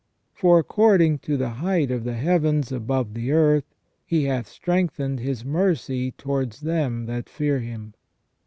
For according to the height of the heavens above the earth : He hath strengthened His mercy towards them that fear Him."